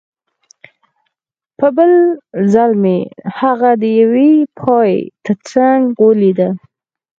په بل ځل مې هغه د یوې پایې ترڅنګ ولیده